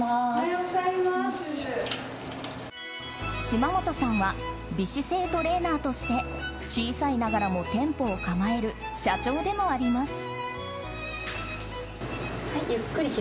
島本さんは美姿勢トレーナーとして小さいながらも店舗を構える社長でもあります。